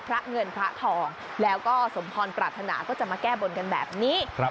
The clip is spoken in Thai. พระเงินพระทองแล้วก็สมพรปรารถนาก็จะมาแก้บนกันแบบนี้